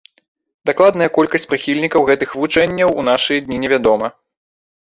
Дакладная колькасць прыхільнікаў гэтых вучэнняў у нашы дні не вядома.